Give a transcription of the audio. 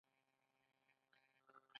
زیار ایستل مېوه ورکوي